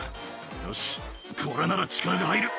「よしこれなら力が入る」